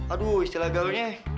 aduh istilah gaulnya